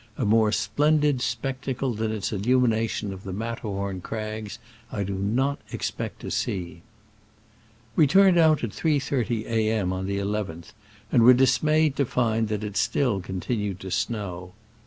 A more splendid spectacle than its illumination of the Matterhorn crags I do not expect to see. We tiuTied out at 3.30 a. m. on the nth, and were dismayed to find that it still continued to snow.